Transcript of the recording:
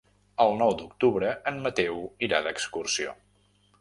El nou d'octubre en Mateu irà d'excursió.